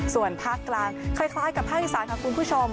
ส่วนภาคกลางคล้ายกับภาคอีสานค่ะคุณผู้ชม